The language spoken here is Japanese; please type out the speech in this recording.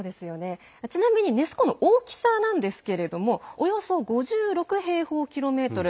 ちなみにネス湖の大きさですけれどもおよそ５６平方キロメートル。